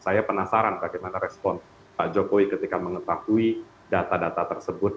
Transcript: saya penasaran bagaimana respon pak jokowi ketika mengetahui data data tersebut